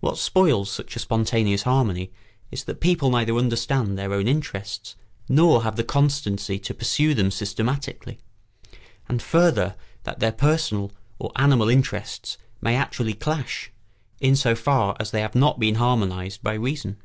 What spoils such a spontaneous harmony is that people neither understand their own interests nor have the constancy to pursue them systematically; and further, that their personal or animal interests may actually clash, in so far as they have not been harmonised by reason.